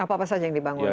apa apa saja yang dibangun